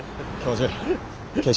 教授！